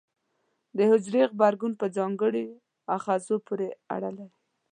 د حجرې غبرګون په ځانګړو آخذو پورې اړه لري.